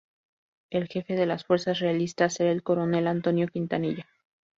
El jefe de las fuerzas realistas era el coronel Antonio Quintanilla.